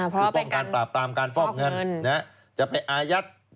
คือป้องกันปราบปรามการฟอกเงินจะไปอายัด